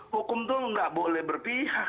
hukum itu nggak boleh berpihak